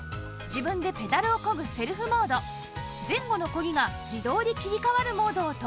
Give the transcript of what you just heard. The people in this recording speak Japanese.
自分でペダルを漕ぐセルフモード前後の漕ぎが自動で切り替わるモードを搭載